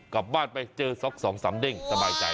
กลับบ้านไปเจอซอกสองสามเด้งสบายใจ